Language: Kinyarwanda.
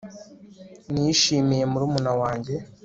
nishimiye murumuna wanjye